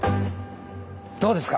どうですか？